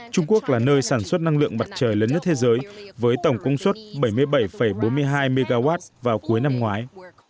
trung quốc là nơi sản xuất năng lượng mặt trời lớn nhất thế giới với tổng công suất bảy mươi bảy bốn mươi hai mw vào cuối năm ngoái